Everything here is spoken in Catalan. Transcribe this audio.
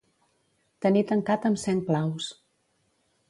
Tenir tancat amb cent claus.